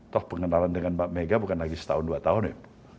toh pengenalan dengan mbak mega bukan lagi setahun dua tahun ya